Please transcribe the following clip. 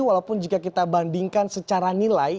walaupun jika kita bandingkan secara nilai